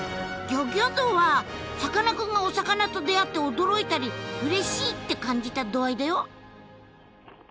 ギョギョ度はさかなクンがお魚と出会って驚いたりうれしいって感じた度合いだよ。